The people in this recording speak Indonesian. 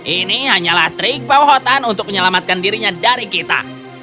ini hanyalah trik bawah hutan untuk menyelamatkan dirinya dari kita